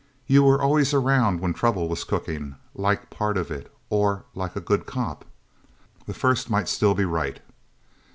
You were always around when trouble was cooking like part of it, or like a good cop. The first might still be right."